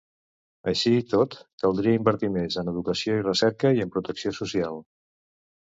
Així i tot, caldria invertir més en educació i recerca i en protecció social.